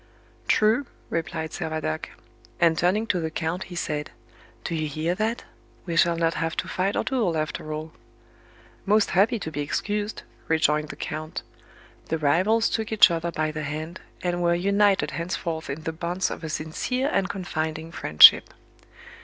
"True," replied Servadac; and turning to the count he said, "Do you hear that? We shall not have to fight our duel after all." "Most happy to be excused," rejoined the count. The rivals took each other by the hand, and were united henceforth in the bonds of a sincere and confiding friendship.